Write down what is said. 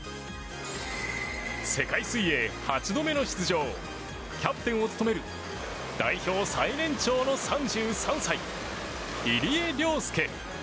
世界水泳８度目の出場キャプテンを務める代表最年長の３３歳、入江陵介。